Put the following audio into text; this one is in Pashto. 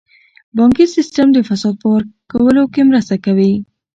بانکي سیستم د فساد په ورکولو کې مرسته کوي.